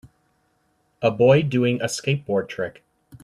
A boy doing a skateboard trick